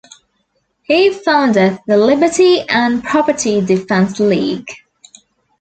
He founded the Liberty and Property Defence League.